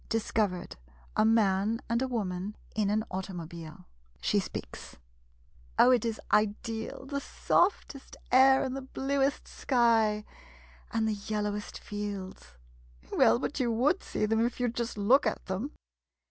Discovered — A man and a woman in an au tomobile. She speaks Oh, it is ideal— the softest air, and the bluest sky — and the yellowest fields ! Well, but you would see them, if you 'd just look at them